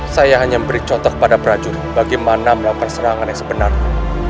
saya hanya beri contoh kepada prajurit bagaimana melakukan serangan yang sebenarnya